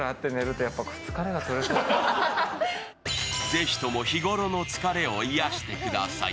ぜひとも日頃の疲れを癒してください。